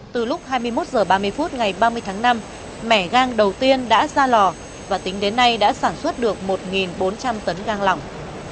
từ lúc hai mươi một h ba mươi phút ngày ba mươi tháng năm mẻ gang đầu tiên đã ra lò và tính đến nay đã sản xuất được một bốn trăm linh tấn gang lỏng